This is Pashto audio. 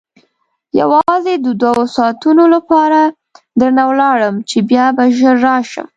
یوازې د دوو ساعتو لپاره درنه ولاړم چې بیا به ژر راشم.